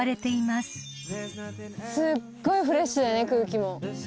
すっごいフレッシュだね空気も。